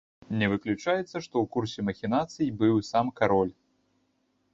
Не выключаецца, што ў курсе махінацый быў і сам кароль.